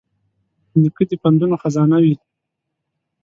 نیکه د پندونو خزانه وي.